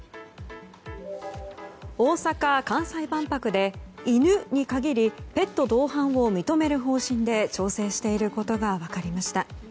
大阪・関西万博で犬に限りペット同伴を認める方針で調整していることが分かりました。